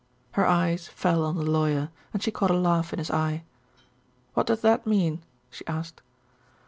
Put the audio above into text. Her eyes fell on the Lawyer, and she caught a laugh in his eye. "What does that mean?" she asked.